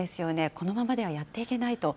このままではやっていけないと。